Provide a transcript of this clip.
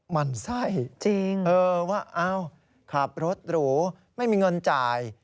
มันไส้ว่าขับรถหรูไม่มีเงินจ่าย